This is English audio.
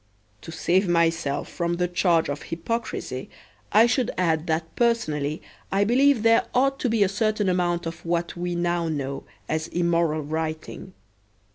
To save myself from the charge of hypocrisy I should add that personally I believe there ought to be a certain amount of what we now know as immoral writing.